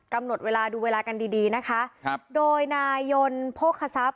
กำหนดเวลาดูเวลากันดีดีนะคะครับโดยนายนโภคทรัพย